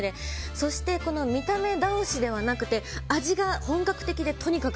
そして、見た目倒しではなくて味が本格的でとにかく